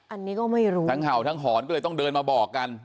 อันนี้ก็ไม่รู้ทั้งเห่าทั้งหอนก็เลยต้องเดินมาบอกกัน